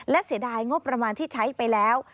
และเสียดายงบประมาณที่ใช้ไปแล้ว